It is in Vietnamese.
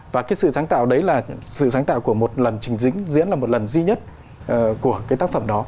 và cái sự sáng tạo đấy là sự sáng tạo của một lần trình dính diễn là một lần duy nhất của cái tác phẩm đó